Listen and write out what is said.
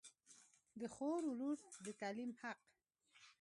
د خور و لور د تعلیم حق